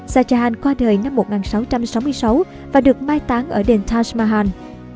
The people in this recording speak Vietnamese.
shah jahan qua đời năm một nghìn sáu trăm sáu mươi sáu và được mai táng ở đền taj mahal